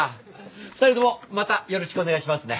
２人ともまたよろしくお願いしますね。